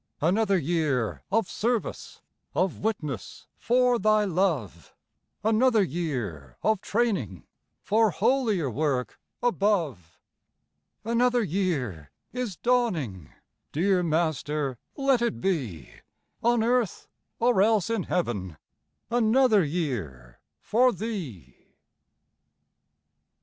Another year of service, Of witness for Thy love; Another year of training For holier work above. Another year is dawning! Dear Master, let it be On earth, or else in heaven, Another year for Thee!